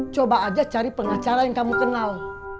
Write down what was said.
coba aja cari pengacara yang kamu kenal